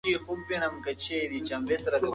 د څېړنې پایلو ته دقت ضروری دی.